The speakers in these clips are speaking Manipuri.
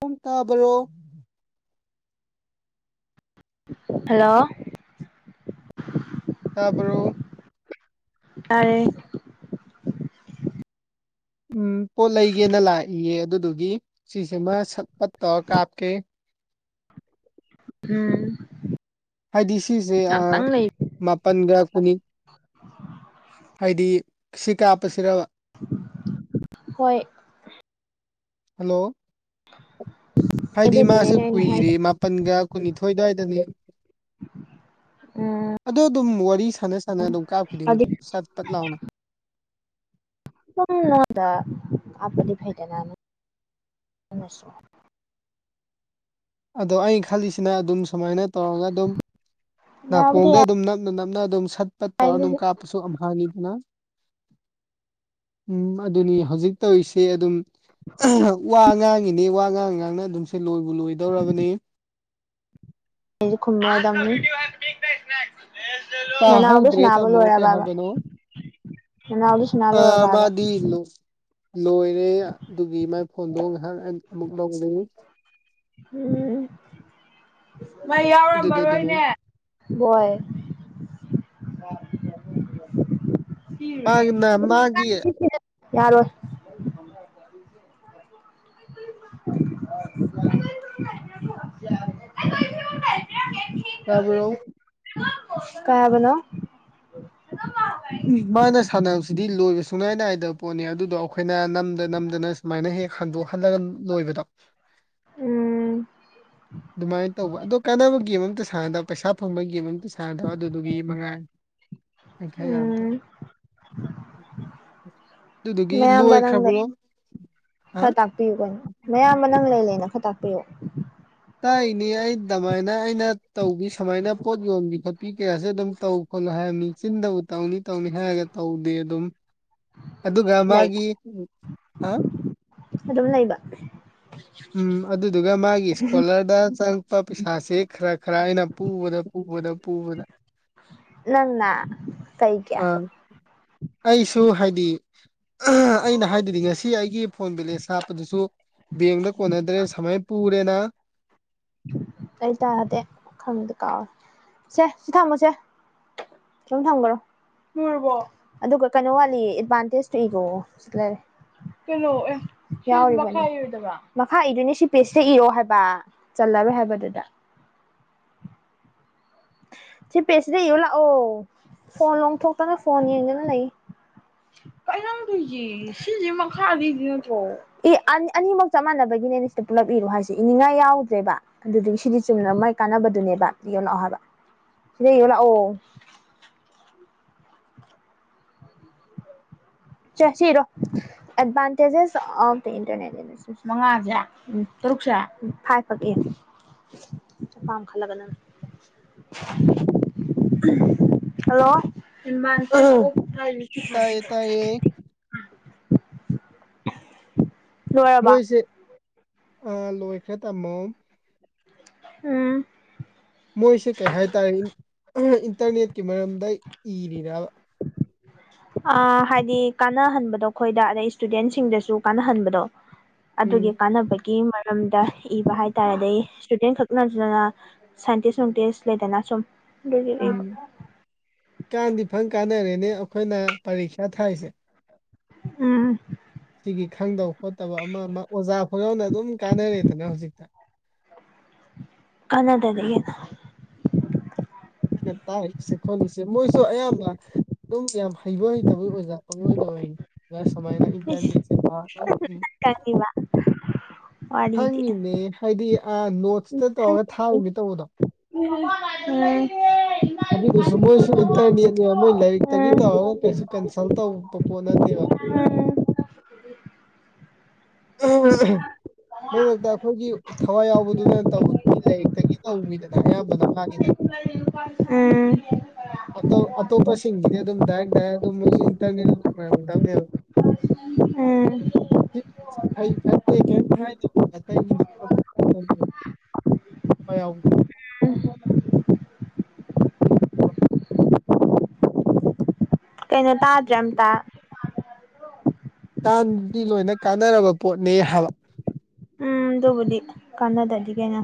ꯁꯨꯝ ꯇꯥꯕ꯭ꯔꯣ ꯍꯜꯂꯣ ꯇꯥꯕ꯭ꯔꯣ ꯇꯥꯔꯦ ꯎꯝ ꯄꯣꯠ ꯂꯩꯒꯦꯅ ꯂꯥꯛꯏꯌꯦ ꯑꯗꯨꯗꯨꯒꯤ ꯁꯤꯁꯤꯃ ꯁꯠ ꯄꯠ ꯇꯧꯔ ꯀꯥꯞꯀꯦ ꯎꯝ ꯍꯥꯏꯗꯤ ꯁꯤꯖꯦ ꯑ ꯉꯥꯛꯇꯪ ꯂꯩ ꯃꯥꯄꯜꯒ ꯀꯨꯟꯅꯤ ꯍꯥꯏꯗꯤ ꯁꯤ ꯀꯥꯞꯄꯁꯤꯔꯕ ꯍꯣꯏ ꯍꯜꯂꯣ ꯍꯥꯏꯗꯤ ꯃꯥꯁꯨ ꯑꯗꯨꯗꯨꯅꯦꯅꯦ ꯑꯩꯅ ꯍꯥꯏ ꯀꯨꯏꯔꯦ ꯃꯥꯄꯟꯒ ꯀꯨꯟꯅꯤꯊꯣꯏ ꯑꯗꯨꯋꯥꯏꯗꯅꯦ ꯎꯝ ꯑꯗꯣ ꯑꯗꯨꯝ ꯋꯥꯔꯤ ꯁꯥꯟꯅ ꯁꯥꯟꯅ ꯑꯗꯨꯝ ꯀꯥꯞꯈꯤꯗꯣꯏꯅꯤ ꯍꯥꯏꯗꯤ ꯑꯗꯨ ꯆꯠ ꯄꯠ ꯂꯥꯎꯅ [unintelligible] ꯍꯩꯞꯄꯗꯤ ꯐꯩꯗꯅ [unintelligible] ꯑꯗꯣ ꯑꯩꯅ ꯈꯜꯂꯤꯁꯤꯅ ꯑꯗꯨꯝ ꯁꯨꯃꯥꯏꯅ ꯇꯧꯔꯒ ꯑꯗꯨꯝ ꯌꯥꯕꯨꯗꯤ ꯅꯥꯀꯣꯡꯗ ꯌꯥꯏ ꯑꯗꯨꯝ ꯅꯞꯅ ꯅꯞꯅ ꯑꯗꯨꯝ ꯁꯠ ꯄꯠꯇ ꯇꯧꯔꯒ ꯑꯗꯨꯝ ꯑꯩꯁꯨ ꯀꯥꯞ ꯀꯁꯨ ꯑꯃꯝ ꯍꯥꯅꯤꯗꯅ ꯎꯝ ꯑꯗꯨꯅꯤ ꯍꯧꯖꯤꯛ ꯇꯧꯔꯤꯁꯦ ꯑꯗꯨꯝ ꯋꯥ ꯉꯥꯡꯉꯤꯅꯦ ꯋꯥ ꯉꯥꯡ ꯉꯥꯡꯅ ꯑꯗꯨꯝꯁꯦ ꯂꯣꯏꯕꯨ ꯂꯣꯏꯗꯧꯔꯕꯅꯤ ꯈꯨꯝꯃꯗꯝꯅꯤ ꯇꯥ ꯍꯧꯗ꯭ꯔꯦ ꯇꯝꯃꯣ ꯀꯩ ꯂꯣꯏꯔꯕꯕ ꯍꯥꯏꯕꯅꯣ ꯅꯅꯥꯎꯗꯣ ꯁꯥꯟꯅ ꯑ ꯂꯣꯏꯔꯕꯕ ꯃꯥꯗꯤ ꯅꯨꯡ ꯂꯣꯏꯔꯦ ꯑꯗꯨꯒꯤ ꯃꯥꯏ ꯐꯣꯟꯗꯣ ꯉꯥꯏꯍꯥꯛ ꯑꯃꯨꯛ ꯂꯧꯒꯅꯤ ꯎꯝ ꯃꯩ ꯑꯗꯨꯗꯣ ꯑꯗꯨꯃꯥꯏꯅ ꯌꯥꯎꯔꯝꯃꯔꯣꯏꯅꯦ ꯍꯣꯏ ꯃꯥꯒꯤꯅ ꯃꯥꯒꯤ [unintelligible] ꯌꯥꯔꯣꯏ [unintelligible] ꯇꯥꯕ꯭ꯔꯣ ꯀꯩ ꯍꯥꯏꯕꯅꯣ ꯃꯥꯅ ꯁꯥꯟꯅꯕꯁꯤꯗꯤ ꯂꯣꯏꯕ ꯁꯨꯡꯅꯥꯏ ꯅꯥꯏꯗꯕ ꯄꯣꯠꯅꯤ ꯑꯗꯨꯗꯣ ꯑꯩꯈꯣꯏꯅ ꯅꯝꯗ ꯅꯝꯗꯅ ꯁꯨꯃꯥꯏꯅ ꯍꯦꯛ ꯍꯟꯗꯣꯛꯍꯜꯂꯒ ꯂꯣꯏꯕꯗꯣ ꯎꯝ ꯑꯗꯨꯃꯥꯏꯅ ꯇꯧꯕ ꯑꯗꯣ ꯀꯥꯟꯅꯕ ꯒꯦꯝ ꯑꯃꯇ ꯁꯥꯟꯅꯗꯕ ꯄꯩꯁꯥ ꯐꯪꯕꯒꯤ ꯒꯦꯝ ꯑꯃꯇ ꯁꯥꯟꯅꯗꯕ ꯑꯗꯨꯗꯨꯒꯤ ꯃꯉꯥꯏ ꯈꯔꯥꯌꯥꯝꯇ ꯎꯝ ꯑꯗꯨꯗꯨꯒꯤ ꯃꯌꯥꯝꯕ ꯂꯣꯏꯈ꯭ꯔꯥꯕ꯭ꯔꯣ ꯍꯥ ꯄꯤꯕ ꯃꯌꯥꯝꯕ ꯅꯪ ꯂꯩꯅ ꯂꯩꯅ ꯈꯔ ꯇꯥꯛꯄꯤꯌꯨ ꯇꯥꯛꯏꯅꯤ ꯑꯩ ꯑꯇꯥꯃꯛꯅ ꯑꯩꯅ ꯇꯧꯕꯤ ꯁꯨꯃꯥꯏꯅ ꯄꯣꯠ ꯌꯣꯟꯕꯤ ꯈꯣꯠꯄꯤ ꯀꯌꯥꯁꯦ ꯑꯗꯨꯝ ꯇꯧ ꯈꯣꯠꯂꯣ ꯍꯥꯏꯕꯅꯤ ꯆꯤꯟꯗ ꯇꯧꯅꯤ ꯇꯧꯅꯤ ꯍꯥꯏꯔꯒ ꯇꯧꯗꯦ ꯑꯗꯨꯝ ꯑꯗꯨꯒ ꯂꯩꯕ ꯃꯥꯒꯤ ꯍꯥ ꯑꯗꯨꯝ ꯂꯩꯕ ꯎꯝ ꯑꯗꯨꯗꯨꯒ ꯃꯥꯒꯤ ꯏꯁꯀꯣꯂꯔꯗ ꯆꯪꯉꯛꯄ ꯄꯩꯁꯥꯥꯁꯦ ꯈꯔ ꯈꯔ ꯑꯩꯅ ꯄꯨꯕꯗ ꯄꯨꯕꯗ ꯄꯨꯕꯗ ꯅꯥ ꯀꯩꯒꯤ ꯑ ꯑꯩꯁꯨ ꯍꯥꯏꯗꯤ ꯑꯩꯅ ꯍꯥꯏꯗꯨꯗꯤ ꯉꯁꯤ ꯑꯩꯒꯤ ꯐꯣꯟ ꯕꯦꯂꯦꯁ ꯍꯥꯞꯄꯗꯨꯁꯨ ꯕꯦꯡꯅ ꯀꯣꯟꯅꯗ꯭ꯔꯦ ꯁꯨꯃꯥꯏꯅ ꯄꯨꯔꯦꯅ ꯑꯩ ꯇꯥꯗꯦ ꯈꯪꯗ‌ꯦ ꯀꯥꯎꯋꯦ ꯁꯦ ꯁꯤ ꯊꯝꯃꯣꯁꯦ ꯑꯗꯨꯝ ꯊꯝꯒ꯭ꯔꯣ ꯂꫭꯏꯔꯕꯣ ꯑꯗꯨꯒ ꯀꯩꯅꯣ ꯋꯥꯠꯂꯤ ꯑꯦꯗꯚꯥꯟꯇꯦꯖꯇꯣ ꯏꯒꯣ ꯁꯤꯗ ꯂꯩꯔꯦ [inaudible] ꯆꯜꯂꯔꯣꯏ ꯍꯥꯏꯕꯗꯨꯗ ꯁꯤ ꯄꯦꯁꯤꯗ ꯏꯔꯥꯏ ꯂꯥꯛꯑꯣ ꯐꯣꯟ ꯂꯣꯡꯊꯣꯛꯇꯅ ꯐꯣꯟ ꯌꯦꯡꯗꯨꯅ ꯂꯩ ꯀꯩꯅꯣ ꯅꯪ ꯇꯧꯔꯤꯁꯦ ꯁꯤꯁꯦ ꯃꯈꯥꯁꯤꯗ ꯏꯗꫭꯏ ꯅꯠꯇ꯭ꯔꯣ ꯑꯦ ꯑꯅꯤ ꯑꯅꯤꯃꯛ ꯆꯞ ꯃꯥꯟꯅꯕꯒꯤꯅꯦ ꯁꯤꯗ ꯄꯨꯂꯞ ꯏꯔꯣ ꯍꯥꯏꯁꯦ ꯏꯅꯤꯡꯉꯥꯏ ꯌꯥꯎꯗ꯭ꯔꯦꯕ ꯑꯗꯨꯏꯗꯨꯒꯤ ꯁꯤꯒꯤ ꯆꯨꯝꯅ ꯃꯒꯤ ꯀꯥꯟꯅꯕꯗꯨꯅꯦꯕ ꯌꯣꯡꯂ ꯂꯥꯎ ꯍꯥꯏꯕ ꯁꯤꯗ ꯌꯦꯡꯂ ꯂꯥꯛꯑꫭ ꯆ‌ꯦ ꯁꯤꯏꯔꯣ ꯑ‌ꯦꯗꯚꯥꯟꯇꯦꯖ ꯑꫭꯞ ꯗꯥ ꯏꯟꯇꯔꯅꯦꯠ ꯃꯉꯥꯁꯦ ꯇꯔꯨꯛꯁꯦ ꯐꯥꯏꯐꯂꯛ ꯏꯍꯟꯗꯣꯏ ꯄꯥꯝ ꯈꯜꯂꯒ ꯅꯪꯅ ꯍꯜꯂꯣ [inaudible] ꯇꯥꯏꯌꯦ ꯇꯥꯏꯌꯦ ꯂꯣꯏꯔꯕ ꯃꯣꯏꯁꯦ ꯑꯥ ꯂꯣꯏꯈ꯭ꯔꯦ ꯇꯥꯃꯣ ꯑꯝ ꯃꯣꯏꯁꯦ ꯀꯔꯤ ꯍꯥꯏꯇꯥꯔꯦ ꯏꯟꯇꯔꯅꯦꯠꯀꯤ ꯃꯔꯝꯗ ꯏꯔꯤꯔꯕ ꯑ ꯍꯥꯏꯗꯤ ꯀꯥꯟꯅꯍꯟꯕꯗꯣ ꯑꯩꯈꯣꯏꯗ ꯑꯗꯩ ꯏꯁꯇꯨꯗꯦꯟꯁꯤꯡꯗꯁꯨ ꯀꯥꯟꯅꯍꯟꯕꯗꯣ ꯑꯗꯨꯒꯤ ꯎꯝ ꯀꯥꯟꯅꯕꯒꯤ ꯃꯔꯝꯗ ꯏꯕ ꯍꯥꯏꯇꯥꯔ‌ꯦ ꯑꯗꯩ ꯏꯁꯇꯨꯗꯦꯟ ꯈꯛꯅꯠꯇꯅ ꯁꯥꯏꯟꯇꯤꯁ ꯅꯨꯡꯇꯤꯁ ꯂꯩꯗꯅ ꯁꯨꯝ ꯑꯗꯨꯒꯤ ꯏꯕ ꯎꯝ ꯀꯥꯟꯗꯤ ꯐꯖꯅ ꯀꯥꯟꯅꯔꯦꯅꯦ ꯑꯩꯈꯣꯏꯅ ꯄꯔꯤꯈꯌꯥ ꯊꯥꯏꯁꯦ ꯎꯝ ꯁꯤꯒꯤ ꯈꯪꯗꯕ ꯈꯣꯠꯇꯕ ꯑꯃ ꯑꯃ ꯑꯣꯖꯥ ꯑꯩꯈꯣꯏꯅ ꯑꯗꯨꯝ ꯀꯥꯟꯅꯔꯦꯗꯅ ꯍꯧꯖꯤꯛꯇꯤ ꯀꯟꯅꯥꯗꯗꯤ ꯀꯩꯅꫭ ꯑꯩꯈꫭꯅ ꯇꯥꯛꯏꯁꯦ ꯈꯣꯠꯂꯤꯁꯦ ꯃꯣꯏꯁꯨ ꯑꯌꯥꯝꯕ ꯑꯗꯨꯝ ꯌꯥꯝ ꯍꯩꯕ ꯍꯩꯇꯕꫭ ꯑꯣꯖꯥ ꯄꯪꯑꫭꯏꯗ ꯑꯣꯏ ꯁꯨꯃꯥꯏꯅ ꯏꯁ ꯏꯟꯇꯔꯅꯦꯠꯁꯦ ꯑꯗꯨꯝ [inaudible] ꯋꯥꯔꯤꯗꯤ ꯍꯪꯉꯤꯅꯦ ꯍꯥꯏꯗꯤ ꯑꯥ ꯅꯣꯠꯁꯇ ꯇꯧꯔꯒ ꯊꯥꯔꯤꯅꯦ ꯇꯧꯕꯗꯣ ꯎꯝ ꯑꯗꯨꯗꯨꯁꯨ ꯃꯣꯏꯁꯨ ꯏꯟꯇꯔꯅꯦꯠꯅꯦꯕ ꯃꯣꯏ ꯂꯥꯏꯔꯤꯛꯇꯒꯤ ꯇꯧꯔꯒ ꯀꯩꯁꯨ ꯀꯟꯁꯜ ꯇꯧꯕ ꯄꯣꯠ ꯅꯠꯇꯦꯕ ꯃꯔꯛ ꯃꯔꯛꯇ ꯑꯩꯈꯣꯏꯒꯤ ꯊꯋꯥꯏ ꯌꯥꯎꯕꯗꯨꯅ ꯇꯧꯕꯗꯨꯗꯤ ꯂꯥꯏꯔꯤꯛꯇꯒꯤ ꯇꯧꯋꯤꯗꯅ ꯑꯌꯥꯝꯕꯅ ꯃꯥꯒꯤꯗꯤ ꯎꯝ ꯑꯇꫭ ꯑꯇꯣꯞꯄꯁꯤꯡꯒꯤꯗꯤ ꯑꯗꯨꯝ ꯗꯥꯏꯔꯦꯛ ꯗꯥꯏꯔꯦꯛ ꯑꯗꯨ ꯃꫭꯏꯁꯨ ꯏꯟꯇꯔꯅ‌ꯦꯠ [unintelligible] ꯑꯥ ꯐꯩ ꯐꯠꯇꯦ ꯀꯔꯤꯝꯗꯦ ꯑꯇꯩ [unintelligible] ꯊꯋꯥꯏꯌꯥꯎꯕꯗꫭ [unintelligible] ꯀꯩꯅꯣ ꯇꯥꯗ꯭ꯔꯦ ꯑꯝꯇ ꯀꯟꯗꯤ ꯂꯣꯏꯅ ꯀꯥꯟꯅꯔꯕ ꯄꯣꯠꯅꯦ ꯍꯥꯏꯕ ꯎꯝ ꯑꯗꯨꯕꯨꯗꯤ ꯀꯥꯟꯅꯗꯗꯤ ꯀꯩꯅꯣ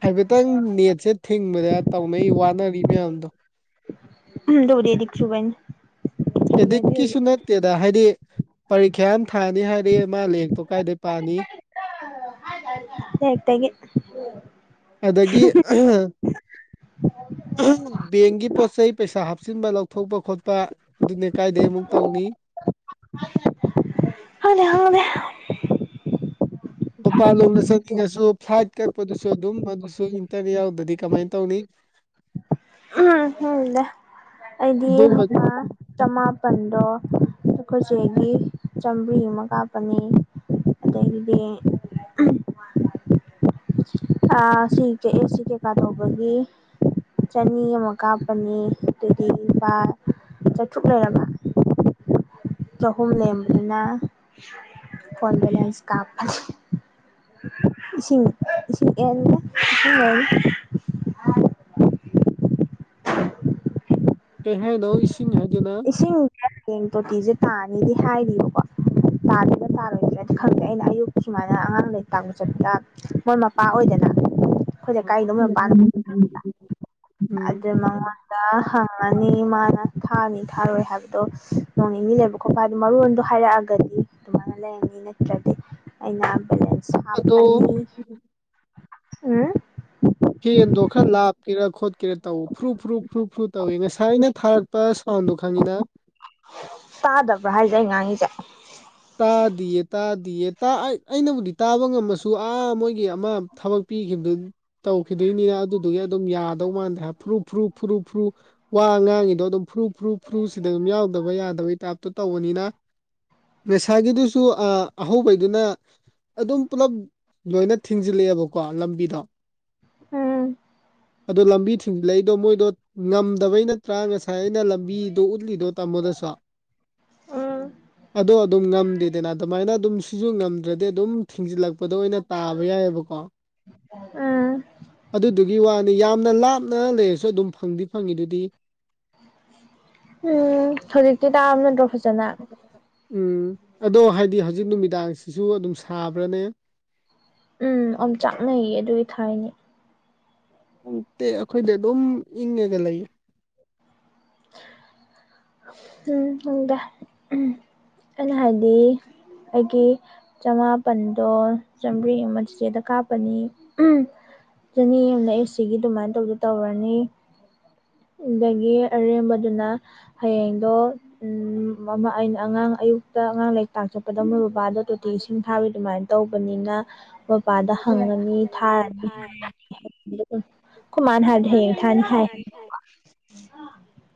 ꯍꯥꯏꯐꯦꯠꯇꯪ ꯅꯦꯠꯁꯦ ꯊꯤꯡꯕꯗ ꯇꯧꯅꯩ ꯋꯥꯅꯔꯤ ꯃꯌꯥꯝꯗꯣ ꯎꯝ ꯑꯗꯨꯕꯨꯗꯤ ꯑꯦꯗꯤꯛ ꯆꯨꯕꯩꯅꯤ ꯍꯩꯅꯕꯤꯕꯒꯤ ꯑꯦꯗꯤꯛꯀꯤꯁꯨ ꯅꯠ ꯇꯦꯗ ꯍꯥꯏꯗꯤ ꯄꯔꯤꯈ꯭ꯌꯥ ꯑꯃ ꯊꯥꯅꯤ ꯍꯥꯏꯔꯦ ꯃꯥ ꯂꯛꯇꯣ ꯀꯥꯏꯗꯩ ꯄꯥꯅꯤ ꯑ [unintelligible] ꯑꯗꯒꯤ ꯕꯦꯡꯒꯤ ꯄꯣꯠ ꯆꯩꯩ ꯄꯩꯁꯥ ꯍꯥꯞꯆꯤꯟꯕ ꯂꯧꯊꯣꯛꯄ ꯈꯣꯠꯄ ꯑꯗꯨꯅꯤ ꯀꯥꯏꯗꯩ ꯑꯃꯨꯛ ꯇꯧꯅꯤ [unintelligible] ꯃꯄꯥꯟ ꯂꯣꯝꯗ ꯆꯠꯅꯤꯡꯉꯁꯨ ꯐ꯭ꯂꯥꯏꯠ ꯀꯛꯄꯗꯨꯁꯨ ꯑꯗꯨꯝ ꯑꯗꯨꯁꯨ ꯏꯟꯇꯔꯅꯦꯠ ꯌꯥꯎꯗꯗꯤ ꯀꯃꯥꯏꯅ ꯇꯧꯅꯤ [inaudible] ꯎꯝ ꯑꯩꯗꯤ ꯑꯗꯨꯝꯕ [unintelligible] ꯆꯃꯥꯄꯟꯗꯣ ꯑꯩꯈꯏ ꯆꯦꯒꯤ ꯆꯥꯝꯃ꯭ꯔꯤ ꯑꯃ ꯀꯥꯞꯄꯅꯤ [unintelligible] ꯑ ꯁꯤ ꯀ ꯑꯦ ꯁꯤ ꯀꯩꯀꯥ ꯇꯧꯕꯒꯤ ꯆꯅꯤ ꯑꯃ ꯀꯥꯞꯄꯅꯤ ꯑꯗꯨꯗꯤ ꯂꯨꯄꯥ ꯆꯥꯇ꯭ꯔꯨꯛ ꯂꯩꯔꯕ ꯆꯍꯨꯝ ꯂꯦꯝꯕꯗꯨꯅ ꯐꯣꯟ ꯕꯦꯂꯦꯟꯁ ꯀꯥꯞꯄꯅꯤ ꯏꯁꯤꯡ ꯏꯁꯤꯡ ꯑꯦꯟꯗ ꯏꯁꯤꯡꯅ ꯂꯩꯅꯤ ꯀꯩ ꯍꯥꯏꯅꯣ ꯏꯁꯤꯡ ꯍꯥꯏꯗꯨꯅ ꯏꯁꯤꯡꯖꯦ ꯍꯌꯦꯡ ꯇꯣꯇꯤꯖꯦ ꯇꯥꯅꯦꯗꯤ ꯍꯥꯏꯔꯤꯕꯀꯣ ꯇꯥꯒꯗꯔ ꯇꯥꯔꯣꯏꯗ꯭ꯔꯗꯤ ꯈꯪꯗꯦ ꯑꯩꯅ ꯑꯌꯨꯛ ꯁꯨꯃꯥꯏꯅ ꯑꯉꯥꯡ ꯂꯥꯏꯔꯤꯛ ꯇꯥꯛꯄ ꯆꯠꯄꯗ ꯃꯣꯏ ꯃꯄꯥ ꯑꯣꯏꯗꯅ ꯑꯩꯈꯣꯏ ꯂꯩꯀꯥꯏꯒꯤꯗꯣ ꯃꯣꯏ ꯃꯄꯥꯅ [inaudible] ꯑꯗꯨ ꯃꯉꫭꯟ ꯗꯥ ꯍꯪꯉꯅꯤ ꯃꯥꯅ ꯊꯥꯔꯅꯤ ꯊꯥꯔꯣꯏ ꯍꯥꯏꯕꯗꯣ ꯅꯣꯡ ꯅꯤꯅꯤ ꯂꯩꯕ ꯃꯔꯣꯟꯗꯣ ꯍꯥꯏꯔꯛꯑꯒꯗꯤ ꯑꯗꯨꯃꯥꯏꯅ ꯂꯩꯔꯅꯤ ꯅꯠꯇ꯭ꯔꯗꯤ ꯑꯩꯅ ꯑꯗꯣ ꯁꯥꯞꯐꯅꯤ ꯎꯝ ꯐꯦꯟꯗꯣ ꯈꯔꯥꯞꯀꯦꯔ ꯈꯣꯠꯀꯦꯔꯥ ꯇꯧ ꯐ꯭ꯔꯨꯞ ꯐꯨꯨꯞ ꯐꯨꯨꯞ ꯐ꯭ꯔꯨ ꯇꯧꯏꯦ ꯉꯁꯥꯏꯅ ꯊꯥꯔꯛ ꯄ ꯁꯥꯎꯟꯗꯣ ꯈꯪꯉꯤꯅ ꯇꯥꯗꯕ꯭ꯔꯥ ꯍꯥꯏꯖꯦ ꯑꯩ ꯉꯥꯡꯉꯤꯖꯦ ꯇꯥꯗꯤꯌꯦ ꯇꯥꯗꯤꯌꯦ ꯑꯩꯅꯕꯨꯗꯤ ꯇꯥꯕ ꯉꯝꯃꯁꯨ ꯑꯥ ꯃꯣꯏꯒꯤ ꯑꯃ ꯊꯕꯛ ꯄꯤ ꯇꯧꯈꯤꯗꯣꯏꯅꯤꯅ ꯑꯗꯨꯗꯨꯒꯤ ꯑꯗꯨꯝ ꯌꯥ ꯗꯧ ꯃꯥꯟꯗꯦ ꯐꯨꯔꯨ ꯐꯔꯨ ꯐꯔꯨ ꯐꯨꯔꯨ ꯋꯥ ꯉꯥꯡꯉꯤꯗꯣ ꯑꯗꯨꯝ ꯐꯨꯔꯨ ꯐꯨꯔꯨ ꯐꯨꯔꯨꯁꯤꯗ ꯑꯗꯨꯝ ꯌꯥꯎꯗꯕ ꯌꯥꯗꯕꯩ ꯇꯥꯏꯞꯇ ꯇꯧꯕꯅꯤꯅ ꯃꯦꯁꯥꯒꯤꯗꯨꯁꯨ ꯑꯍꯧꯕꯩꯗꯨꯅ ꯑꯗꯨꯝ ꯄꯨꯂꯞ ꯂꯣꯏꯅ ꯊꯤꯡꯖꯤꯜꯂꯛꯑꯦꯕꯀꯣ ꯂꯝꯕꯤꯗꯣ ꯎꯝ ꯑꯗꯣ ꯂꯝꯕꯤ ꯊꯁꯤꯡꯁꯤꯜ ꯂꯩꯏꯗꯣ ꯃꯣꯏꯗꯣ ꯉꯝꯗꯕꯩ ꯅꯠꯇ꯭ꯔꯥ ꯉꯁꯥꯏ ꯑꯩꯅ ꯂꯝꯕꯤꯗꯣ ꯎꯠꯂꯤꯗꯣ ꯇꯥꯃꯣꯗꯁꯨ ꯎꯝ ꯑꯗꯣ ꯑꯗꯨꯝ ꯉꯝꯗꯦꯗꯅ ꯑꯗꯨꯃꯥꯏꯅ ꯑꯗꯨꯝ ꯁꯤꯁꯨ ꯉꯝꯗ꯭ꯔꯗꯤ ꯑꯗꯨꯝ ꯊꯤꯡꯖꯤꯜꯂꯛꯄꯗ ꯑꯣꯏꯅ ꯇꯥꯕ ꯌꯥꯏꯑꯕꯀꯣ ꯎꯝ ꯑꯗꯨꯗꯨꯒꯤ ꯋꯥꯅꯤ ꯌꯥꯝꯅ ꯂꯥꯞꯅ ꯂꯩꯔꯁꯨ ꯑꯗꯨꯝ ꯐꯪꯗꯤ ꯐꯪꯉꯤ ꯑꯗꯨꯗꯤ ꯎꯝ ꯍꯧꯖꯤ ꯇꯥ ꯅꯇ꯭ꯔꯣ ꯎꯝ ꯑꯗꯣ ꯍꯥꯏꯗꯤ ꯍꯧꯖꯤꯛ ꯅꯨꯃꯤꯗꯥꯡꯁꯤꯁꯨ ꯑꯗꯨꯝ ꯁꯥꯕ꯭ꯔꯅꯦ ꯎꯝ ꯑꯣꯝꯆꯥꯛꯅꯩꯌꯦ ꯑꯗꯨꯒꯤ ꯊꯥꯏꯅꯦ ꯅꯪꯇꯦ ꯑꯩꯈꯣꯏꯗ ꯑꯗꯨꯝ ꯏꯪꯉꯒ ꯂꯩꯌꯦ ꯎꯝꯗ ꯎꯝ ꯑꯩꯅ ꯍꯥꯏꯗꯤ ꯑꯩꯒꯤ ꯆꯃꯥꯄꯜꯗꯣ ꯆꯥꯝꯔꯤ ꯑꯃ ꯆꯤꯆꯦꯗ ꯀꯥꯞꯄꯅꯤ ꯆꯅꯤ ꯑꯃꯅ ꯑꯦꯁ ꯁꯤꯒꯤ ꯑꯗꯨꯃꯥꯏꯅ ꯇꯧꯗ ꯇꯧꯔꯅꯤ ꯑꯗꯒꯤ ꯑꯔꯦꯝꯕꯗꯨꯅ ꯍꯌꯦꯡꯗꯣ ꯎꯝꯃ ꯑꯩꯅ ꯑꯉꯥꯡ ꯑꯌꯨꯛꯇ ꯑꯉꯥꯡ ꯂꯥꯏꯔꯤꯛ ꯇꯥꯛ ꯆꯠꯄꯗ ꯃꯣꯏ ꯃꯄꯥꯗꯣ ꯇꯤ ꯏꯁꯤꯡ ꯐꯥꯕꯤ ꯑꯗꯨꯃꯥꯏꯅ ꯇꯧꯕꯅꯤꯅ ꯃꯄꯥꯗ ꯍꯪꯉꯅꯤ ꯊꯥꯔꯅꯤ ꯍꯥꯏꯔꯅꯤ ꯑꯩꯈꯣꯏ ꯃꯥꯅ ꯍꯥꯏꯕꯗꯤ ꯍꯌꯦꯡ ꯊꯥꯔꯅꯤ ꯍꯥꯏ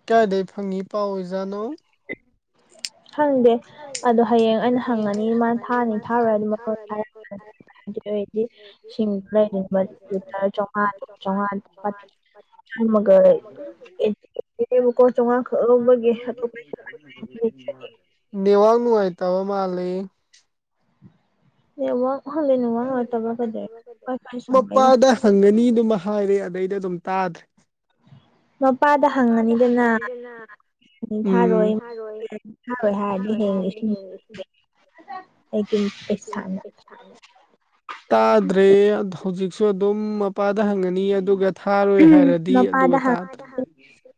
ꯀꯥꯏꯗꯒꯩ ꯐꯪꯏꯤ ꯄꯥꯎ ꯑꯣꯏꯖꯥꯠꯅꯣ ꯈꯪꯗꯦ ꯍꯥꯏꯅꯦ ꯑꯗꯣ ꯍꯌꯦꯡ ꯑꯗꯣ ꯑꯩꯅ ꯍꯌꯦꯡ ꯑꯩꯅ ꯍꯪꯉꯅꯤ ꯃꯥꯅ ꯍꯪꯒꯅꯤ ꯊꯥꯅꯤ ꯃꯥ ꯊꯥꯔꯣꯏ ꯊꯥꯔꯅꯤ ꯑꯗꯨ ꯃꯐꯝ ꯊꯥꯔꯨꯔꯣꯏ ꯍꯥꯏꯔꯛꯀꯅꯤ ꯑꯗꯨ ꯑꯗꯨ ꯑꯣꯏꯗꯤ ꯁꯤꯡꯗ ꯂꯩꯔꯤꯕꯇꯔꯝꯃꯉꯥ ꯆꯥꯃꯉꯥ ꯆꯥꯝꯃꯒꯦꯕꯀꯣ ꯆꯥꯝꯃꯉꯥ ꯈꯛ ꯂꯧꯕꯒꯤꯇꯣꯞꯄ ꯅꯦꯋꯥꯛ ꯅꯨꯉꯥꯏꯇꯕ ꯃꯥꯂꯤ ꯅꯦꯠꯋꯥꯛ ꯐꯪꯗꯦ ꯅꯦꯋꯥꯛ ꯅꯨꯉꯥꯏꯇꯕ ꯀꯩꯗ ꯋꯥꯏ ꯐꯥꯏ ꯁꯝꯕꯩꯔ ꯐꯪꯒꯅꯤꯗꯨꯃ ꯍꯥꯏꯔꯦ ꯑꯗꯩꯗ ꯑꯗꯨꯝ ꯇꯥꯗ꯭ꯔꯦ ꯃꯄꯥꯗ ꯍꯪꯉꯅꯤꯗꯅ ꯊꯥꯔꯣꯏ ꯎꯝ ꯊꯔꯣꯏ ꯊꯥꯔꯣꯏ ꯊꯣꯏ ꯍꯌꯦꯡ ꯍꯥꯏꯔꯗꯤ ꯂꯤꯁꯤꯡ ꯍꯦꯉꯦꯁꯤ ꯑꯩꯒꯤ ꯄꯩꯁꯥꯅ [unintelligible] ꯇꯥꯗ꯭ꯔꯦ ꯍꯧꯖꯤꯛꯁꯨ ꯑꯗꯨꯝ ꯃꯄꯥꯗ ꯍꯪꯉꯅꯤ ꯑꯗꯨꯒ ꯊꯥꯔꯣꯏ ꯍꯥꯏꯔꯗꯤ ꯑꯗꯨꯒ ꯇꯥꯗ꯭ꯔꯦ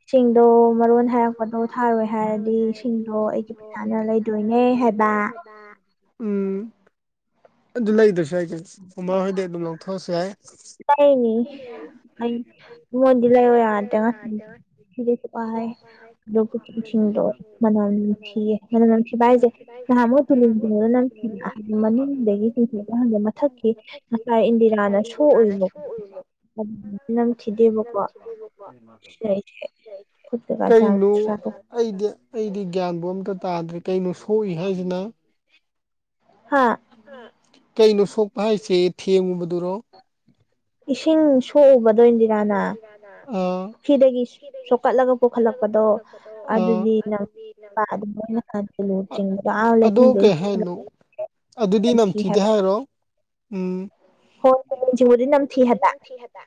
ꯏꯁꯤꯡꯗꯣ ꯃꯔꯣꯟ ꯍꯥꯏꯔꯛꯄꯗꯣ ꯊꯥꯔꯣꯏ ꯍꯥꯏꯔꯗꯤ ꯏꯁꯤꯡꯗꯣ ꯄꯩꯁꯥꯅ ꯂꯩꯗꯣꯏꯅꯦ ꯍꯥꯏꯕ ꯎꯝ ꯑꯗꯨ ꯂꯩꯗ꯭ꯔꯁꯨ ꯌꯥꯏ ꯎꯃꯥ ꯍꯣꯏꯗꯤ ꯑꯗꯨꯝ ꯂꯧꯊꯣꯛꯑꯁꯨ ꯌꯥꯏ ꯂꯩꯅꯤ ꯑꯩ ꯃꯣꯟꯗꯤ ꯂꯩꯌꯣ ꯌꯥꯗꯦ ꯁꯤꯗꯦꯁꯨꯄ ꯍꯥꯏ ꯑꯗꯨꯒꯗꯁꯤꯡꯗꯣ ꯃꯅꯂꯝꯊꯤꯑ ꯃꯅꯝ ꯅꯝꯊꯤꯕ ꯍꯥꯏꯁꯦ ꯅꯍꯥꯝꯨꯛ ꯊꯨꯗꯅꯅ ꯅꯪ ꯊꯤꯕꯅ ꯆꯤꯡꯁꯤꯜꯂ ꯍꯪꯦ ꯊꯛꯈꯤ ꯉꯁꯥꯏ ꯏꯟꯗꯤꯔꯥꯅ ꯁꯣꯎꯏ ꯅꯝꯈꯤꯗꯦꯕꯀꯣ ꯁꯤꯅ ꯑꯩꯁꯦ ꯈꯨ ꯀ ꯆꯥ꯭ꯔ ꯀꯩꯅꯣ ꯑꯩꯗꯤ ꯑꯩꯗꯤ ꯒ꯭ꯌꯥꯟꯕꯨ ꯑꯝꯇ ꯇꯥꯗ꯭ꯔꯦ ꯀꯩꯅꯣ ꯁꯣꯛꯏ ꯍꯥꯏꯁꯤꯅ ꯍꯥꯥ ꯀꯩꯅꯣ ꯁꯣꯛꯄ ꯍꯥꯏꯁꯦ ꯊꯦꯡꯉꯨꯕꯗꯨꯔꯣ ꯏꯁꯤꯡ ꯁꯣꯛꯎꯕꯗꯣꯏꯗꯤ [unintelligible] ꯑ ꯐꯤꯗꯒꯤ ꯁꯣꯛꯀꯠꯂꯒ ꯄꯨꯈꯠꯂꯛꯄꯗꯣ ꯑꯥ ꯑꯗꯨꯗꯤ ꯅꯪ [unintelligible] [unintelligible] ꯑꯦ ꯑꯗꯣ ꯂꯩꯅꯨꯡꯗꯩ ꯀꯩ ꯆꯤ [unintelligible] ꯍꯥꯏꯅꯣ ꯑꯗꯨꯗꯤ ꯅꯝꯊꯤꯗꯦ ꯍꯥꯏꯔꯣ ꯍꯣꯏ ꯇꯤꯂꯨ ꯆꯤꯡꯕꯗꯤ ꯅꯝꯊꯤ ꯎꯝꯗꯤ [unintelligible] ꯍꯥꯏꯕ ꯅꯝꯊꯤ ꯍꯥꯏꯕ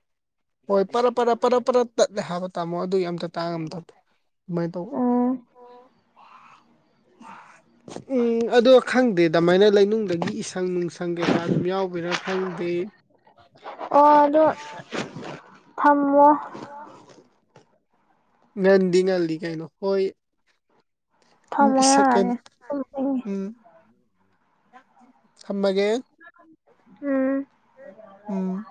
ꯍꯣꯏ ꯄꯔꯥ ꯄꯔꯥ ꯄꯔꯥ ꯄꯔꯥ ꯇꯠꯂꯦ ꯍꯥꯏꯕ ꯇꯥꯃꯣ ꯑꯗꯨꯏ ꯑꯝꯇ ꯇꯥ ꯉꯝꯗ [unintelligible] ꯃꯥꯏ ꯇꯧꯕ ꯎꯝ ꯑꯣ [unintelligible] ꯎꯝ ꯑꯗꯣ ꯈꯪꯗꯦ ꯑꯗꯃꯥꯏꯅ ꯂꯩ ꯅꯨꯡꯗꯒꯤ ꯏꯁꯪ ꯅꯨꯡꯁꯪ ꯀꯩꯀꯥ ꯑꯗꯨꯝ ꯌꯥꯎꯕꯩꯔꯥ ꯈꯪꯗꯦ ꯑꯣ [unintelligible] ꯑꯗꯣ ꯊꯝꯃꯣ ꯉꯥꯟꯗꯤ ꯉꯜꯂꯤ ꯀꯩꯅꯣ ꯍꯣꯏ ꯎꯝ ꯊꯝꯃꯣ ꯏ ꯁꯦꯀꯦꯟ ꯌꯥꯔꯦ [unintelligible] ꯇꯨꯝꯅꯤꯡꯉꯦ ꯎꯝ [unintelligible] ꯊꯝꯃꯒꯦ ꯎꯝ [unintelligible] ꯎꯝ